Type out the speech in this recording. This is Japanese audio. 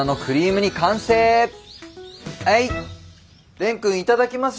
蓮くん「いただきます」